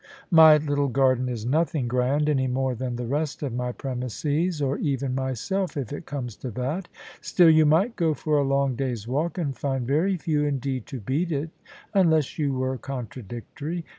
My little garden is nothing grand, any more than the rest of my premises, or even myself, if it comes to that; still you might go for a long day's walk, and find very few indeed to beat it, unless you were contradictory.